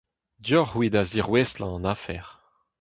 Deoc'h-c'hwi da zirouestlañ an afer.